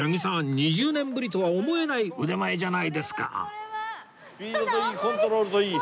２０年ぶりとは思えない腕前じゃないですか